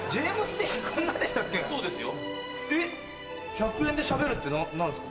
１００円でしゃべるって何ですか？